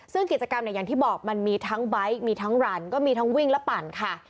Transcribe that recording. ซึ่งกิจกรรมเนี่ยอย่างที่บอกมันมีทั้งไบท์มีทั้งรันก็มีทั้งวิ่งและปั่นค่ะ